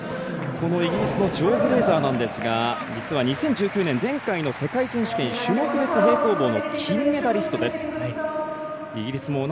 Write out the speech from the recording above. イギリスのジョー・フレーザーなんですが実は２０１９年前回の選手権種目別平行棒の金メダリストです。